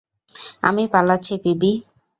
আমি পালাচ্ছি, পিবি।